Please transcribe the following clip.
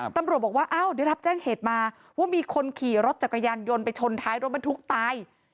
ตำรวจบอกว่าอ้าวได้รับแจ้งเหตุมาว่ามีคนขี่รถจักรยานยนต์ไปชนท้ายรถบรรทุกตาย